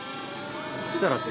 そしたら次。